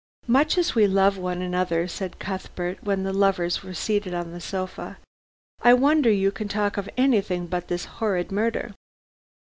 "Much as we love one another," said Cuthbert when the lovers were seated on the sofa. "I wonder you can talk of anything but this horrid murder."